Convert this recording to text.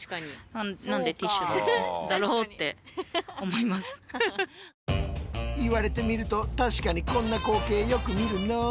街ゆく皆さんの言われてみると確かにこんな光景よく見るのう。